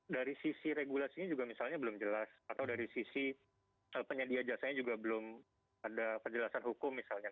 dari sisi regulasinya juga misalnya belum jelas atau dari sisi penyedia jasanya juga belum ada penjelasan hukum misalnya